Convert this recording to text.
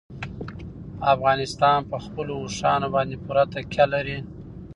افغانستان په خپلو اوښانو باندې پوره تکیه لري.